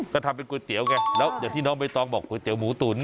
ก็ทำเป็นก๋วยเตี๋ยวไงแล้วอย่างที่น้องใบตองบอกก๋วเตี๋หมูตุ๋น